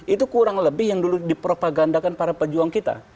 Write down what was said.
itu kurang lebih yang dulu dipropagandakan para pejuang kita